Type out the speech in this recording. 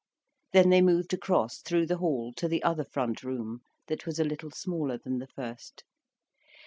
Then they moved across, through the hall, to the other front room, that was a little smaller than the first.